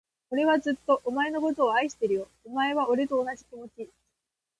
俺はずっと、お前のことを愛してるよ。お前は、俺と同じ気持ち？